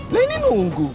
lah ini nunggu